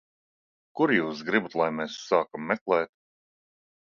Kur jūs gribat, lai mēs sākam meklēt?